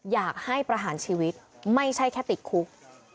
อยากให้ประหารชีวิตไม่ใช่แค่ติดคุก